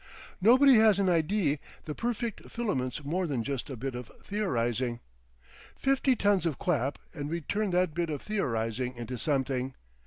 Nobody has an idee the perfect filament's more than just a bit of theorising. Fifty tons of quap and we'd turn that bit of theorising into something.